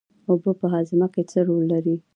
اوبه په هاضمه کې څه رول لري